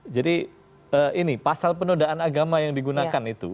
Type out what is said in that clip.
jadi ini pasal penodaan agama yang digunakan itu